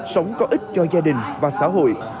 sống có ích cho gia đình và xã hội